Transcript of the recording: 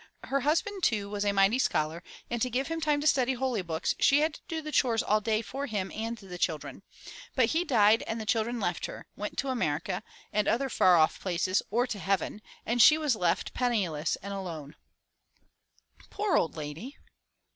Her husband too was a mighty scholar and to give him time to study holy books, she had to do chores all day for him and the children. But he died and the children left her — went to America and other far off places or to heaven, and she was left penniless and alone.*' "Poor ould lady!"